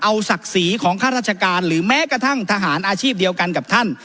เอาศักดิ์ศรีของข้าราชการหรือแม้กระทั่งทหารอาชีพเดียวกันกับท่าน